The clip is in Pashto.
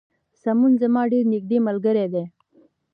سمون زما ډیر نږدې ملګری دی